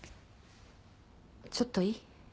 ちょっといい？